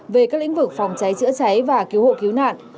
về các lĩnh vực phòng cháy chữa cháy và cứu hộ cứu nạn